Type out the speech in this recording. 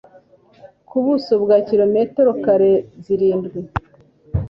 ku buso bwa kilometero kare zirindwi